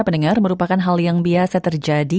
pendengar merupakan hal yang biasa terjadi